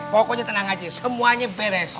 pokoknya tenang aja semuanya beres